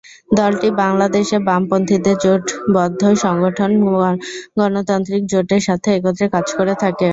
দলটি বাংলাদেশে বামপন্থীদের জোটবদ্ধ সংগঠন বাম গণতান্ত্রিক জোটের সাথে একত্রে কাজ করে থাকে।